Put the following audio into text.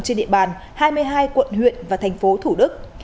trên địa bàn hai mươi hai quận huyện và thành phố thủ đức